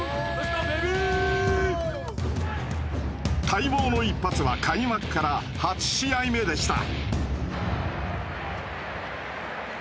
待望の一発は開幕から８試合目でした。